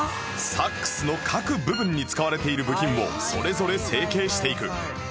サックスの各部分に使われている部品をそれぞれ成型していく